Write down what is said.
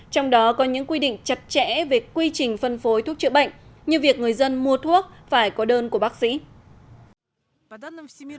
trong đó có những quy định chặt chẽ về quy trình phân phối thuốc chữa bệnh như việc người dân mua thuốc phải có đơn của bác sĩ